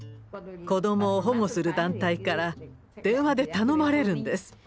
子どもを保護する団体から電話で頼まれるんです。